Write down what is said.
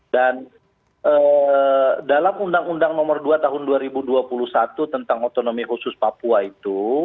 dan dalam undang undang nomor dua tahun dua ribu dua puluh satu tentang otonomi otsus papua itu